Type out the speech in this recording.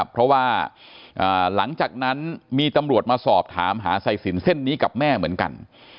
เพราะว่าหลังจากนั้นมีตำรวจมาสอบถามหาสายสินเส้นนี้กับแม่เหมือนกัน